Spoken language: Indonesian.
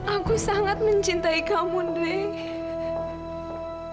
aku sangat mencintai kamu dwi